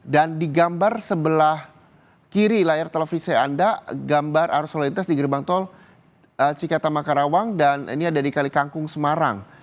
dan digambar sebelah kiri layar televisi anda gambar arus lintas di gerbang tol cikatama karawang dan ini ada di kali kangkung semarang